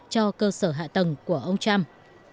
cho cơ sở hạ tầng của ông trump